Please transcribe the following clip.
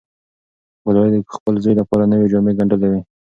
ګلالۍ د خپل زوی لپاره نوې جامې ګنډلې وې.